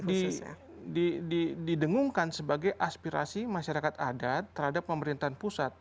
didengungkan sebagai aspirasi masyarakat adat terhadap pemerintahan pusat